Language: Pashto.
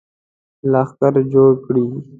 لښکر جوړ کړي.